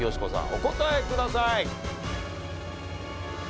お答えください。